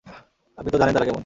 আপনি তো জানেন তারা কেমন?